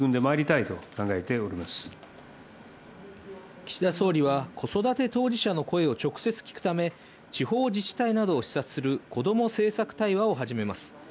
岸田総理は子育て当事者の声を直接聞くため、地方自治体などを視察するこども政策対話を始めます。